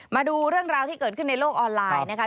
มาดูเรื่องราวที่เกิดขึ้นในโลกออนไลน์นะคะ